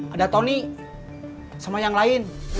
ada tony sama yang lain